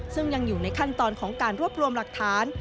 ซึ่งยังอยู่ในขั้นตอนของการรวบรวมหลักฐาน